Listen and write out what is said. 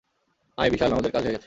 আয় বিশাল, আমাদের কাজ হয়ে গেছে।